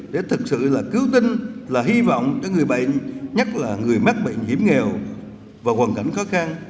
để thực sự là cứu tinh là hy vọng cho người bệnh nhất là người mắc bệnh hiểm nghèo và hoàn cảnh khó khăn